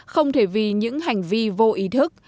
không thể vì những hành vi vô ý thức